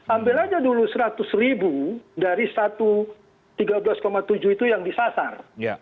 ambil aja dulu seratus ribu dari tiga belas tujuh itu yang disasar